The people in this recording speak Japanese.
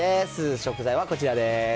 食材はこちらです。